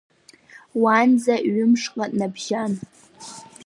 Уанӡа ҩы-мшҟа набжьан.